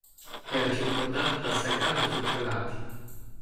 Era circondata dal sagrato su tre lati.